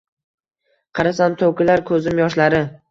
Qarasam, to‘kilar ko‘zim yoshlari.